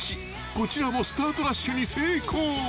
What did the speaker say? ［こちらもスタートダッシュに成功］